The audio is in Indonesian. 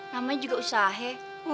namanya juga usahe